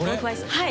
はい。